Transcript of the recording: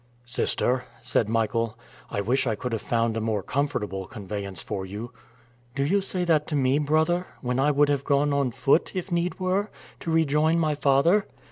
"Sister," said Michael, "I wish I could have found a more comfortable conveyance for you." "Do you say that to me, brother, when I would have gone on foot, if need were, to rejoin my father?"